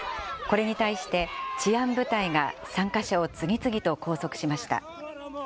これに対して、治安部隊が参加者を次々と拘束しました。